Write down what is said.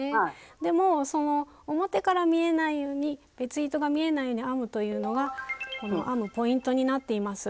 でもその表から見えないように別糸が見えないように編むというのが編むポイントになっています。